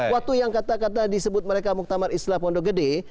waktu yang kata kata disebut mereka muktamar islah pondok gede